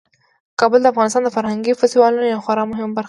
کابل د افغانستان د فرهنګي فستیوالونو یوه خورا مهمه برخه ده.